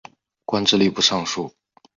官至吏部尚书。